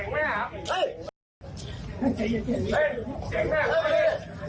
มานี่